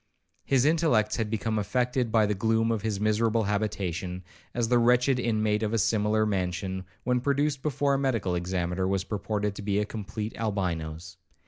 His intellects had become affected by the gloom of his miserable habitation, as the wretched inmate of a similar mansion, when produced before a medical examiner, was reported to be a complete Albinos.